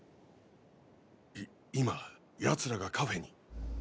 い今奴らがカフェに！